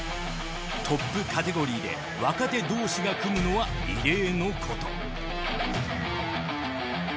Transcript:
トップカテゴリーで若手同士が組むのは異例のこと